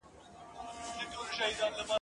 خبرونه نړۍ معرفي کوي.